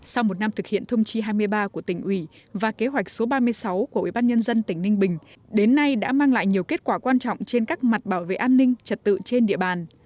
sau một năm thực hiện thông chi hai mươi ba của tỉnh ủy và kế hoạch số ba mươi sáu của ủy ban nhân dân tỉnh ninh bình đến nay đã mang lại nhiều kết quả quan trọng trên các mặt bảo vệ an ninh trật tự trên địa bàn